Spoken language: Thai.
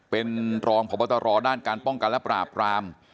เป็นรองพบตรด้านการป้องกันและปราบราม